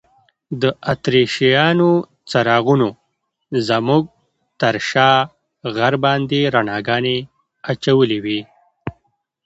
د اتریشیانو څراغونو زموږ تر شا غر باندې رڼاګانې اچولي وې.